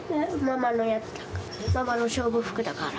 ママの勝負服だから。